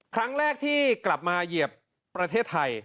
ครั้งแรกที่กลับมาเหยียบประเทศไทย